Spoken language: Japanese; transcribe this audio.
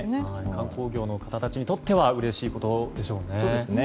観光業の方たちにとってはうれしいことでしょうね。